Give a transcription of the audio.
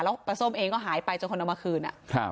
แล้วปลาส้มเองก็หายไปจนคนเอามาคืน